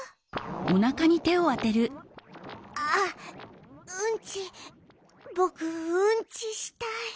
あっうんちぼくうんちしたい。